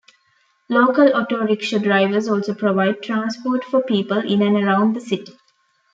Local Auto-Rickshaw drivers also provide transport for people in and around the city.